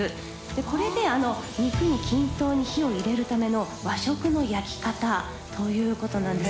これで肉に均等に火を入れるための和食の焼き方ということなんです。